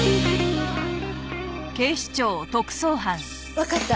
わかった。